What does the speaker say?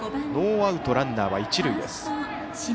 ノーアウトランナーは一塁です。